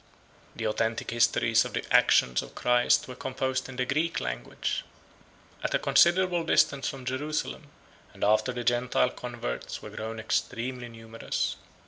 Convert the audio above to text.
152 The authentic histories of the actions of Christ were composed in the Greek language, at a considerable distance from Jerusalem, and after the Gentile converts were grown extremely numerous.